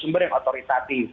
sumber yang otoritatif